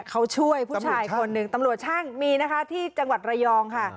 เขาช่วยผู้ชายคนหนึ่งตำรวจช่างมีนะคะที่จังหวัดระยองค่ะ